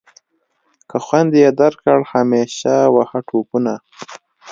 که خوند یې درکړ همیشه وهه ټوپونه.